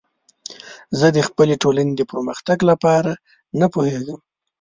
زه د خپلې ټولنې د پرمختګ لپاره نه پوهیږم.